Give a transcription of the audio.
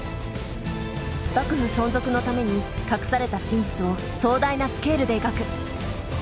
幕府存続のために隠された真実を壮大なスケールで描く。